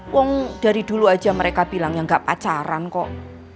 wong dari dulu aja mereka bilangnya nggak pacaran kok